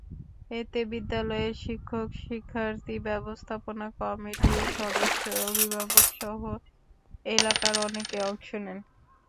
এতে বিদ্যালয়ের শিক্ষক-শিক্ষার্থী, ব্যবস্থাপনা কমিটির সদস্য, অভিভাবকসহ এলাকার অনেকে অংশ নেন।